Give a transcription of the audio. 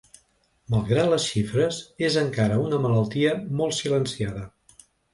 Malgrat les xifres, és encara una malaltia molt silenciada.